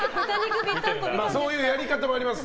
そういうやり方もあります。